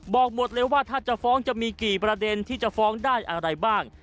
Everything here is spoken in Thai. บอกหมดเลยว่าถ้าจะฟ้องจะมีกี่ประเด็นที่จะฟ้องได้อะไรบ้าง